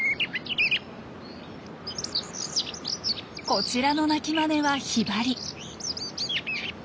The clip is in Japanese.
こちらの鳴きまねはヒバリ。